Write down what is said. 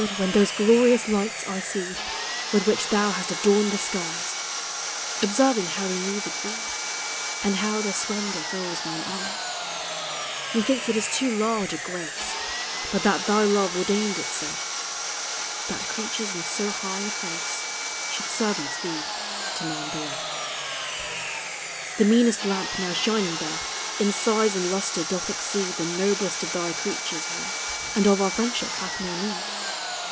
when those glorious lights I see With which thou hast adorned the skies, Observing how they moved be, And how their splendor fills mine eyes, Methinks it is too large a grace, But that thy love ordained it so, That creatures in so high a place Should servants be to man below. The meanest lamp now shining there In size and lustre doth exceed The noblest of thy creatures here, And of our friendship hath no need.